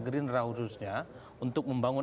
gerindra khususnya untuk membangun